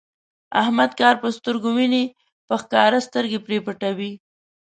احمد کار په سترګو ویني، په ښکاره سترګې پرې پټوي.